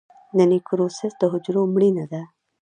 د نیکروسس د حجرو مړینه ده.